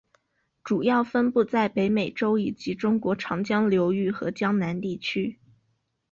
主要分布在北美洲以及中国长江流域和江南地区。